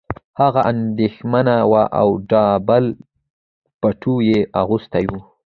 هغه اندېښمنه وه او ډبل پټو یې اغوستی و